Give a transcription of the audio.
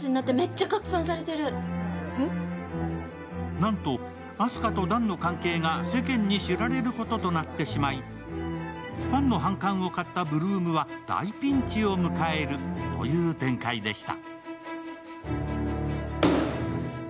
なんとあす花と弾の関係が世間に知られることとなってしまい、ファンの反感を買った８ＬＯＯＭは大ピンチを迎えるという展開でした。